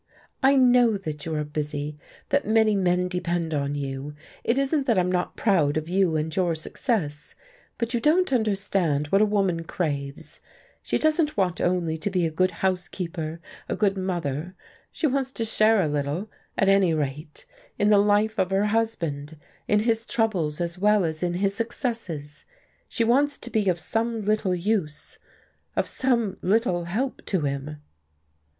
"I know that you are busy, that many men depend on you, it isn't that I'm not proud of you and your success, but you don't understand what a woman craves, she doesn't want only to be a good housekeeper, a good mother, but she wants to share a little, at any rate, in the life of her husband, in his troubles as well as in his successes. She wants to be of some little use, of some little help to him."